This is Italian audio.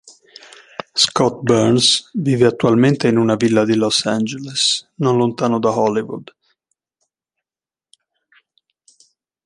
Scott Burns vive attualmente in una villa di Los Angeles, non lontano da Hollywood.